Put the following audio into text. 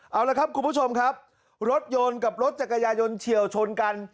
เอาละครับคุณผู้ชมครับรถยนต์กับรถจักรยายนเฉียวชนกัน